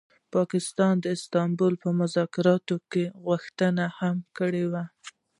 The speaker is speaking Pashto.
پاکستان د استانبول مذاکراتو کي دا غوښتنه هم کړې وه